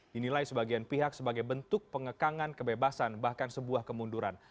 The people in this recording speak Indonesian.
dinilai sebagian pihak sebagai bentuk pengekangan kebebasan bahkan sebuah kemunduran